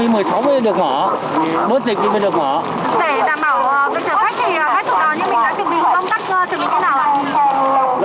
để đảm bảo việc chở khách thì khách chủ nào những mình đã chuẩn bị một công tác chuẩn bị thế nào ạ